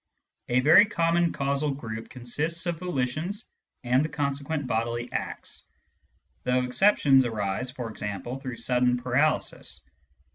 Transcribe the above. A very common causal group consists of volitions and the consequent bodily acts, though exceptions arise (for example) through sudden paralysis.